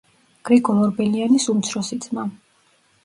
გრიგოლ ორბელიანის უმცროსი ძმა.